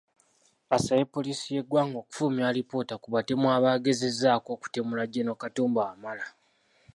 Asabye poliisi y’eggwanga okufulumya alipoota ku batemu abaagezezzaako okutemula Gen. Katumba Wamala